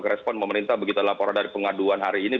respon pemerintah begitu laporan dari pengaduan hari ini